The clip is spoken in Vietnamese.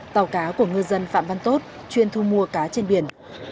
tàu cá của ngư dân phạm văn tốt chuyên thu mua cá trên biển